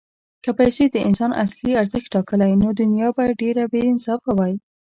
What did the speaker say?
که پیسې د انسان اصلي ارزښت ټاکلی، نو دنیا به ډېره بېانصافه وای.